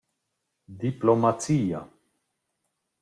«Diplomazia».